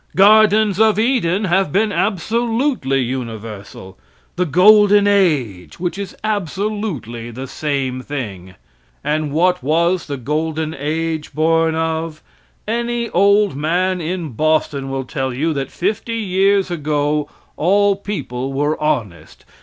Gardens of Eden have been absolutely universal the golden age, which is absolutely the same thing. And what was the golden age born of? Any old man in Boston will tell you that fifty years ago all people were honest.